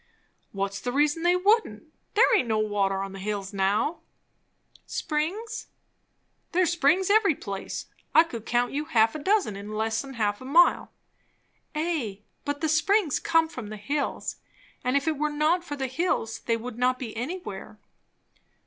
"What's the reason they wouldn't? There aint no water on the hills now." "Springs?" "There's springs every place. I could count you a half a dozen in less'n half a mile." "Ay, but the springs come from the hills; and if it were not for the hills they would not be anywhere."